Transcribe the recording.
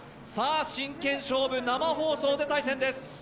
真剣勝負、生放送で対戦です。